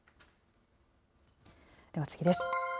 では次です。